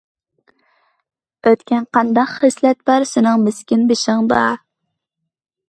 ئۆتكەن قانداق خىسلەت بار؟ سېنىڭ مىسكىن بېشىڭدا.